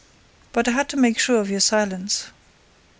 But I had to make sure of your silence."